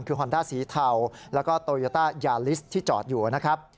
คือฮอนด้าสีเทาแล้วก็โตโยต้ายาลิสที่จอดอยู่นะครับ